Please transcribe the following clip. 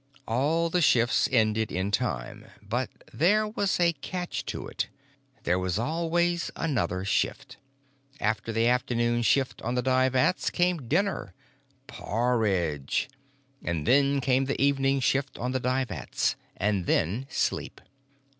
All the shifts ended in time. But there was a catch to it: There was always another shift. After the afternoon shift on the dye vats came dinner—porridge!—and then came the evening shift on the dye vats, and then sleep.